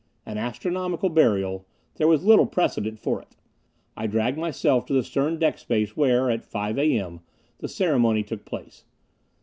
An astronomical burial there was little precedent for it. I dragged myself to the stern deck space where, at five A. M., the ceremony took place.